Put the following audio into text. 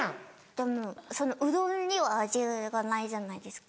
でもそのうどんには味がないじゃないですか。